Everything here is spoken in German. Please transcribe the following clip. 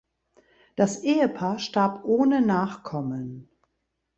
Das Ehepaar starb ohne Nachkommen.